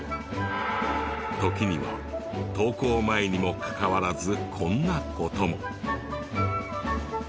時には登校前にもかかわらずこんな事も。